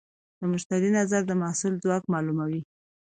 د مشتری نظر د محصول ځواک معلوموي.